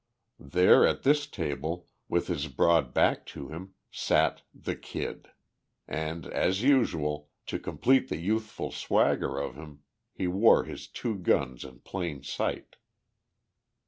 There, at this table, with his broad back to him, sat the Kid. And as usual, to complete the youthful swagger of him, he wore his two guns in plain sight.